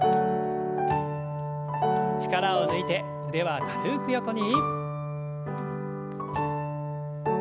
力を抜いて腕は軽く横に。